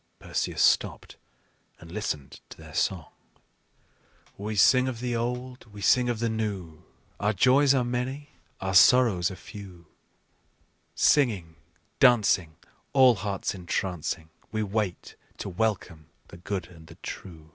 Perseus stopped and listened to their song: "We sing of the old, we sing of the new, Our joys are many, our sorrows are few; Singing, dancing, All hearts entrancing, We wait to welcome the good and the true.